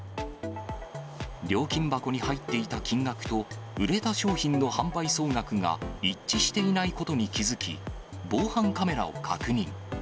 料金箱に入っていた金額と、売れた商品の販売総額が一致していないことに気付き、防犯カメラを確認。